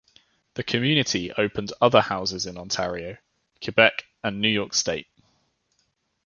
The community opened other houses in Ontario, Quebec and New York state.